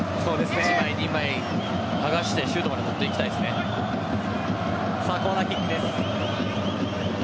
１枚、２枚剥がしてシュートまでコーナーキックです。